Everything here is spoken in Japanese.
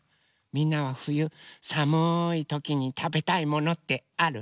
みんなはふゆさむいときにたべたいものってある？